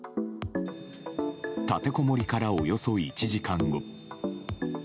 立てこもりからおよそ１時間後。